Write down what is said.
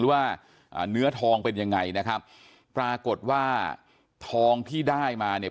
ว่าอ่าเนื้อทองเป็นยังไงนะครับปรากฏว่าทองที่ได้มาเนี่ย